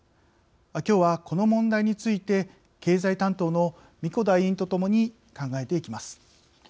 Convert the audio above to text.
きょうはこの問題について経済担当の神子田委員とともに考えていきます。